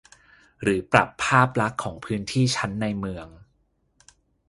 หรือปรับภาพลักษณ์ของพื้นที่ชั้นในเมือง